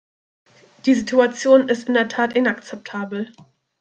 Die Situation ist in der Tat inakzeptabel.